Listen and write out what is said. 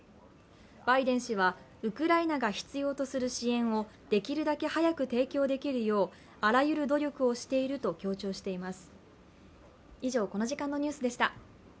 バイデン氏は、ウクライナが必要とする支援をできるだけ早く提供できるようあらゆる努力をしていると強調しています。